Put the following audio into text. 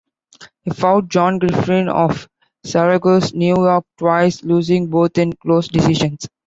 He fought John Griffin of Syracuse, New York twice, losing both in close decisions.